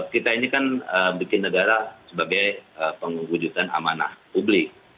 kita ini kan bikin negara sebagai pengujudkan amanah publik